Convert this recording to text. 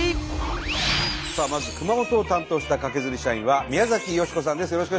さあまず熊本を担当したカケズリ社員は宮崎美子さんです